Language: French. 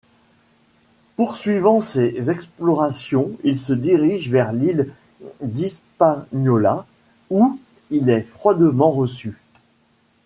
Poursuivant ses explorations, il se dirige vers l'île d'Hispaniola où il est froidement reçu.